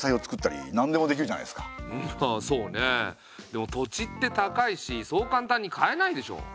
でも土地って高いしそう簡単に買えないでしょ。